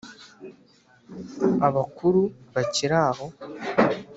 abakuru bakiri aho”